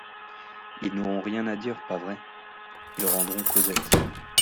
Ils n'auront rien à dire, pas vrai ? Ils rendront Cosette.